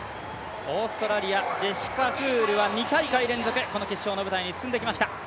オーストラリア、ジェシカ・フールは２大会連続、この決勝の舞台に進んできました。